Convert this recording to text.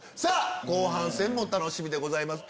後半戦も楽しみでございます。